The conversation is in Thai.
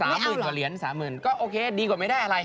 ๓หมื่นกว่าเงินก็ดีกว่าไม่ได้อะไร